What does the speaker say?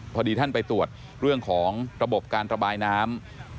พอดีท่านไปตรวจเรื่องของระบบการระบายน้ำ